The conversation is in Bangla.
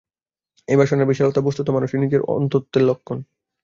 এই বাসনার বিশালতা বস্তুত মানুষের নিজের অনন্তত্বের লক্ষণ।